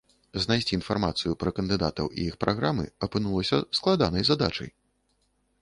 Знайсці інфармацыю пра кандыдатаў і іх праграмы апынулася складанай задачай.